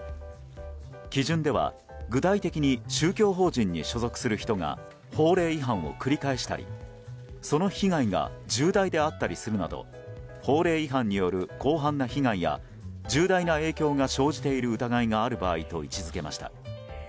基準では具体的に宗教法人に所属する人が法令違反を繰り返したりその被害が重大であったりするなど法令違反による広範な被害や重大な影響が生じている疑いがある場合と位置付けました。